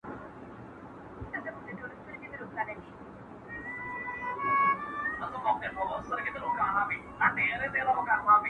د کومي مياشتي روژه نيول اړين دي؟